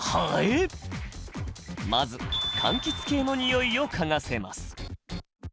まずかんきつ系のにおいを嗅がせます。